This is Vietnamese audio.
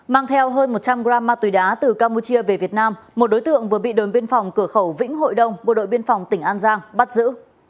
mang theo hơn một trăm linh gram ma túy đá từ campuchia về việt nam một đối tượng vừa bị đồn biên phòng cửa khẩu vĩnh hội đông bộ đội biên phòng tỉnh an giang bắt giữ